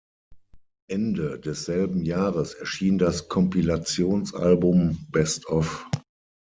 Ende desselben Jahres erschien das Kompilationsalbum "Best Of".